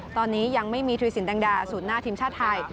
ตอนนี้ยังไม่มีทรีศิลป์แดงดาสูตรหน้าทีมชาติไทย